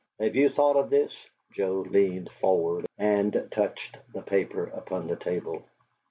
"Have you thought of this?" Joe leaned forward and touched the paper upon the table.